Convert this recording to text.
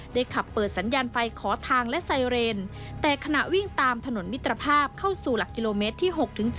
ขับเปิดสัญญาณไฟขอทางและไซเรนแต่ขณะวิ่งตามถนนมิตรภาพเข้าสู่หลักกิโลเมตรที่๖๗